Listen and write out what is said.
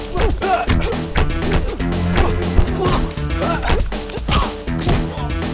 pergi gak lu